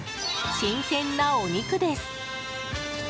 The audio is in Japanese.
新鮮なお肉です。